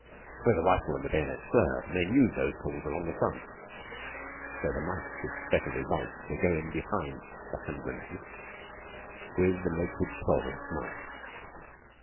Where the rifle and the bayonet serve, men use those tools along the front. Where the knife gives better results, they go in behind the hand grenades with the naked twelve inch knife.